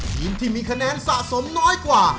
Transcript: ทีมที่มีคะแนนสะสมน้อยกว่า